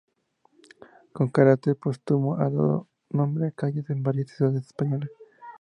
Con carácter póstumo ha dado nombre a calles en varias ciudades españolas.